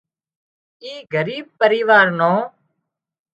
اي ڳريٻ پريوار نو